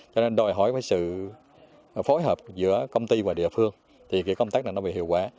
cho nên đòi hỏi sự phối hợp giữa công ty và địa phương thì công tác này nó bị hiệu quả